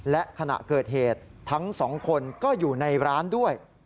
และขณะเกิดเหตุทั้งสองคนก็อยู่ในร้านด้วย